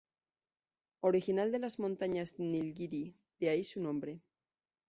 Original de las Montañas Nilgiri, de ahí su nombre.